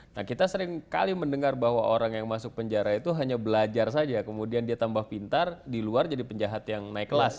nah kita seringkali mendengar bahwa orang yang masuk penjara itu hanya belajar saja kemudian dia tambah pintar di luar jadi penjahat yang naik kelas